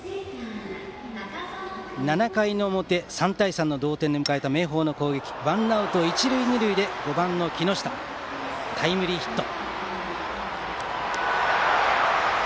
７回の表、３対３の同点で迎えた明豊の攻撃ワンアウト、一塁二塁で５番、木下のタイムリーヒット。